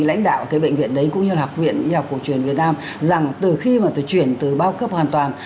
lãnh đạo cái bệnh viện đấy cũng như là học viện y học cổ truyền việt nam rằng từ khi mà tôi chuyển từ bao cấp hoàn toàn